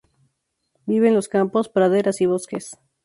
Vive en los campos, praderas y bosques.